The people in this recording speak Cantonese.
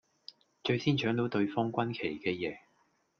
最先搶到對方軍旗嘅贏